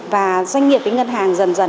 và doanh nghiệp với ngân hàng dần dần